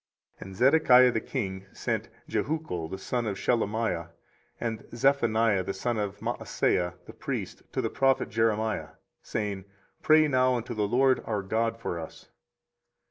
24:037:003 And Zedekiah the king sent Jehucal the son of Shelemiah and Zephaniah the son of Maaseiah the priest to the prophet Jeremiah, saying, Pray now unto the LORD our God for us.